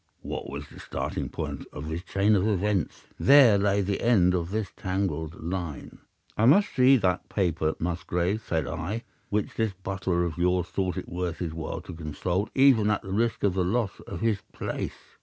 What was the starting point of this chain of events? There lay the end of this tangled line. "'I must see that paper, Musgrave,' said I, 'which this butler of yours thought it worth his while to consult, even at the risk of the loss of his place.